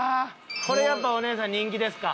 これやっぱお姉さん人気ですか？